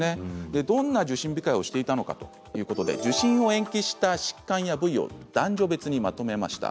どんな受診控えをしていたのか受診を延期した疾患や部位を男女別にまとめました。